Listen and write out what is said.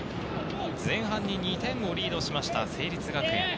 前半に２点をリードしました、成立学園。